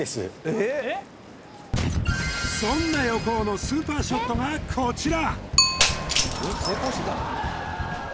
そんな横尾のスーパーショットがこちら